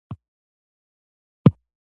ایا سترګې مو ژیړې دي؟